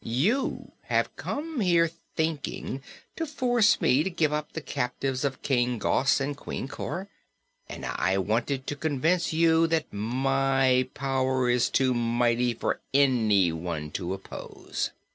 You have come here thinking to force me to give up the captives of King Gos and Queen Cor, and I wanted to convince you that my power is too mighty for anyone to oppose.